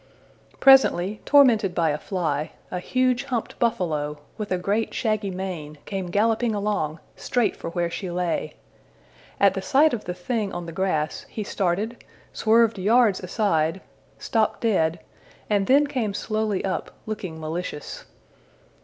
'' Presently, tormented by a fly, a huge humped buffalo, with great shaggy mane, came galloping along, straight for where she lay. At the sight of the thing on the grass, he started, swerved yards aside, stopped dead, and then came slowly up, looking malicious.